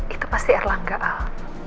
itu pasti erlangga al